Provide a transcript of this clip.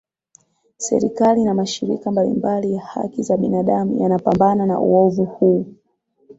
serikali na mashirika mbalimbali ya haki za binadamu yanapambana na uovu huu